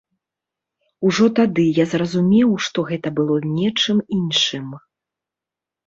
Ужо тады я зразумеў, што гэта было нечым іншым.